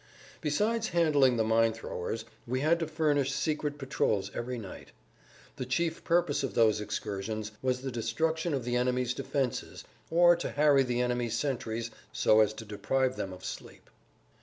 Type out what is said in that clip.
Besides handling the mine throwers we had to furnish secret patrols every night. The chief purpose of those excursions was the destruction of the enemy's defenses or to harry the enemy's sentries so as to deprive them of sleep.